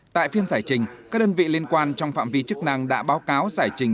tại phiên giải trình các đơn vị liên quan trong phạm vi chức năng đã báo cáo giải trình